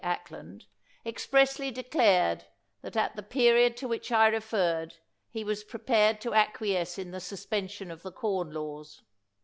Acland] expressly de clared that at the period to which I referred he was prepared to acquiesce in the suspension of the Com Laws.